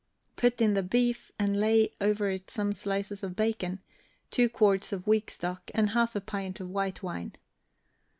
Put in the beef, and lay over it some slices of bacon, two quarts of weak stock, and half a pint of white wine.